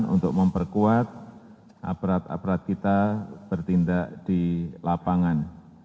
untuk memperkuat aparat aparat kita bertindak di lapangan